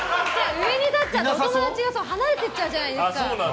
上に立っちゃうとお友達が離れていっちゃうじゃないですか。